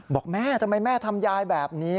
บอกแม่ทำไมแม่ทำยายแบบนี้